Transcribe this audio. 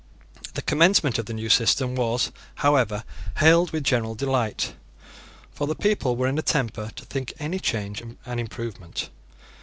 The commencement of the new system was, however, hailed with general delight; for the people were in a temper to think any change an improvement.